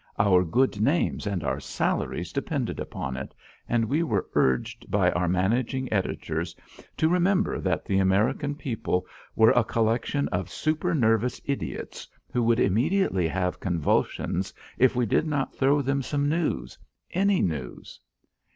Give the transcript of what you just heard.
Our good names and our salaries depended upon it and we were urged by our managing editors to remember that the American people were a collection of super nervous idiots who would immediately have convulsions if we did not throw them some news any news.